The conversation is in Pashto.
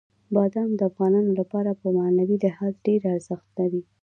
بادام د افغانانو لپاره په معنوي لحاظ ډېر ارزښت لري.